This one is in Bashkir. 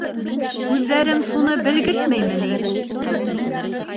Күҙҙәрем шуны белгертмәйме ни?